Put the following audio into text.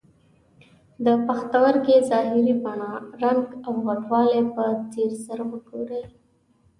د پښتورګي ظاهري بڼه، رنګ او غټوالی په ځیر سره وګورئ.